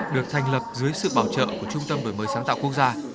được thành lập dưới sự bảo trợ của trung tâm đổi mới sáng tạo quốc gia